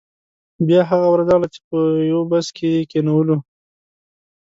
بیا هغه ورځ راغله چې په یو بس کې یې کینولو.